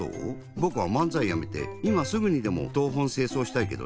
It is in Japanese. ぼくは漫才やめていますぐにでも東奔西走したいけどね。